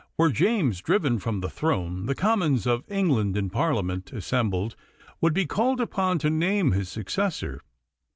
Were James driven from the throne, the Commons of England in Parliament assembled would be called upon to name his successor.